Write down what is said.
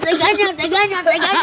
tegaknya tegaknya tegaknya